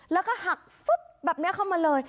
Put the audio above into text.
แล้วก็หักฟึ๊บแบบนี้เข้ามาเลย